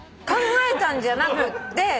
考えたんじゃなくって。